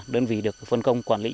đơn vị được phân công quản lý